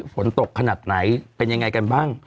ฝนตกขนาดไหนเป็นยังไงกันบ้าง